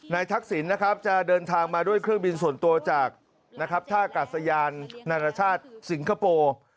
ทักษิณนะครับจะเดินทางมาด้วยเครื่องบินส่วนตัวจากนะครับท่ากาศยานนารชาติสิงคโปร์